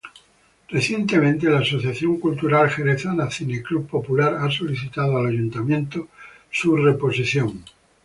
Recientemente la asociación cultural jerezana, Cine-Club Popular ha solicitado al Ayuntamiento su reposición.